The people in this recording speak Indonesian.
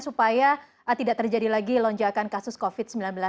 supaya tidak terjadi lagi lonjakan kasus covid sembilan belas